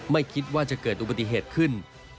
ไม่คิดว่าจะเกิดอุบัติเหตุขึ้น